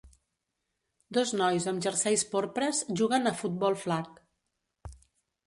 Dos nois amb jerseis porpres juguen a "futbol flag".